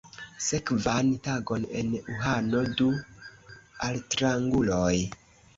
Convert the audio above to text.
Sekvan tagon en Uhano du altranguloj.